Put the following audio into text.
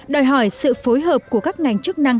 đòi hỏi sự phối hợp của các ngành chức năng